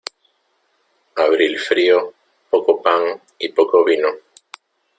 Abril frío, poco pan y poco vino.